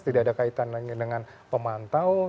tidak ada kaitannya dengan pemantau